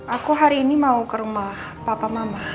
aku hari ini mau ke rumah papa mama